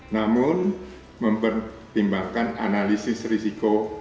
namun mempertimbangkan analisis risiko